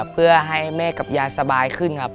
เพื่อให้แม่กับยายสบายขึ้นครับ